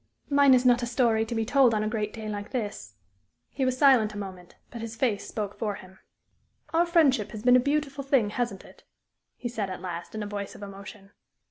"Mine is not a story to be told on a great day like this." He was silent a moment, but his face spoke for him. "Our friendship has been a beautiful thing, hasn't it?" he said, at last, in a voice of emotion.